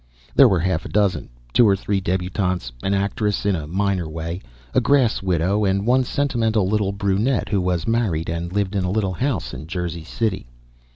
There were half a dozen: two or three débutantes, an actress (in a minor way), a grass widow, and one sentimental little brunette who was married and lived in a little house in Jersey City.